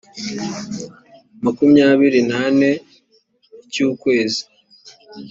makumyabiri n ane icy ukwezi